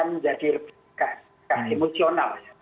menjadi lebih emosional